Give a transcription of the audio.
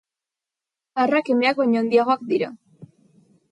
Arrak, emeak baino handiagoak dira.